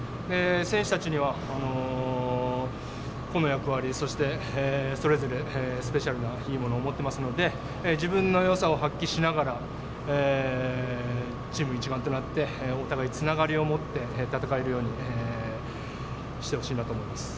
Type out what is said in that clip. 選手たちには個の役割それぞれスペシャルないいものを持っていますので自分のよさを発揮しながらチーム一丸となってお互いつながりを持って戦えるようにしてほしいなと思います。